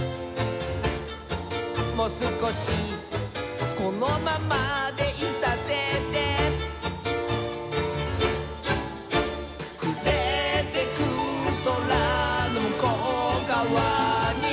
「もすこしこのままでいさせて」「くれてくそらのむこうがわに」